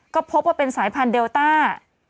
ก็พบว่าเป็นสายพันธุเดลต้า